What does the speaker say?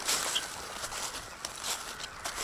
伪齐皇帝刘豫之子。